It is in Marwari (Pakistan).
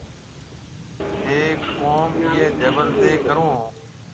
ٿَي ڪوم اِيئي جبل تي ڪرون هون۔